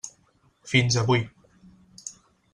Fins avui.